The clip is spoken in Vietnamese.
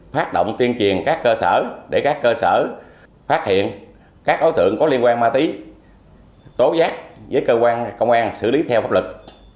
phát hiện các đối tượng có liên quan ma túy tố giác với cơ quan công an xử lý theo pháp lực